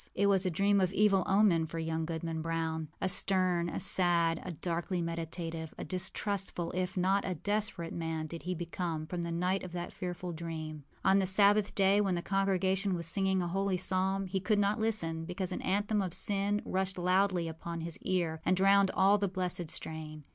it was a dream of evil omen for young Goodman Brown. A stern, a sad, a darkly meditative, a distrustful, if not a desperate man did he become from the night of that fearful dream. On the Sabbath day, when the congregation were singing a holy psalm, he could not listen because an anthem of sin rushed loudly upon his ear and drowned all the blessed strain.